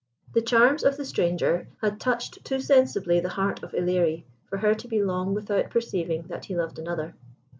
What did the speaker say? The charms of the stranger had touched too sensibly the heart of Ilerie for her to be long without perceiving that he loved another.